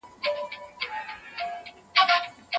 استقامت انسان خپلو لوړو موخو ته رسوي.